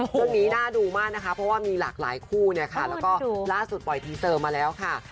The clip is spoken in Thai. เรื่องนี้น่าดูมากนะคะเพราะว่ามีหลากหลายคู่เนี่ยค่ะแล้วก็ล่าสุดปล่อยทีเซอร์มาแล้วค่ะ